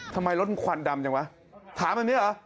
ทำไมรถมันควันดำจังวะถามแบบนี้เหรอ